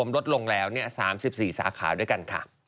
แล้ว๓๔สาขาด้วยกัน